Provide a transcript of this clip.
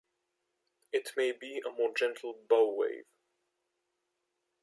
It may be a more gentle "bow wave".